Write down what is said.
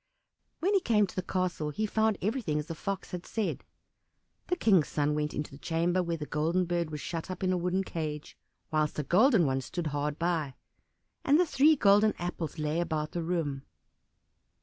When he came to the castle he found everything as the Fox had said. The King's son went into the chamber where the Golden Bird was shut up in a wooden cage, whilst a golden one stood hard by; and the three golden apples lay about the room.